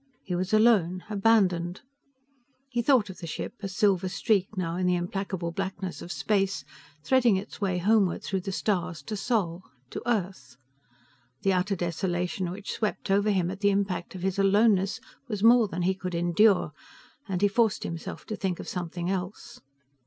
He was alone, abandoned. He thought of the ship, a silver streak now in the implacable blackness of space, threading its way homeward through the stars to Sol, to Earth. The utter desolation which swept over him at the impact of his aloneness was more than he could endure, and he forced himself to think of something else.